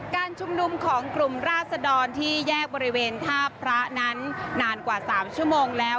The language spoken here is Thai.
การชุมนุมของกลุ่มราศดรที่แยกบริเวณท่าพระนั้นนานกว่า๓ชั่วโมงแล้ว